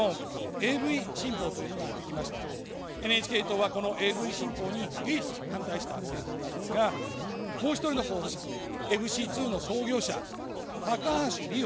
ＮＨＫ党は、このＡＶ新法に唯一反対した政党なんですが、もう１人の候補者、ＦＣ２の創業者・高橋理洋。